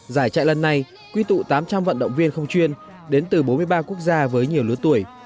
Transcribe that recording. giải chạy lần này quy tụ tám trăm linh vận động viên không chuyên đến từ bốn mươi ba quốc gia với nhiều lứa tuổi